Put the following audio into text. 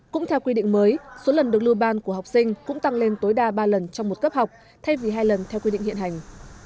cũng theo quy định mới số lần được lưu ban của học sinh cũng tăng lên tối đa ba lần trong một cấp học thay vì hai lần theo quy định hiện hành